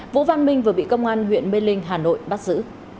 vũ văn minh vừa bị công an huyện mê linh hà nội bắt giữ